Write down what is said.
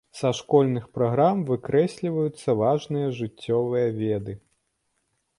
Са школьных праграм выкрэсліваюцца важныя жыццёвыя веды.